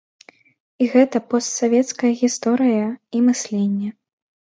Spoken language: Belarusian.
І гэта постсавецкая гісторыя і мысленне.